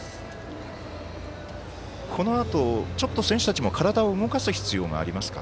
このあと選手たちも体を動かす必要がありますか？